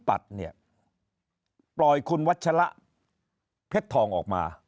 คุณปัจปล่อยคุณวัชละเพชรทองออกมา